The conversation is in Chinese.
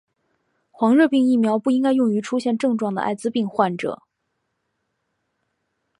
黄热病疫苗不应该用于出现症状的爱滋病患者。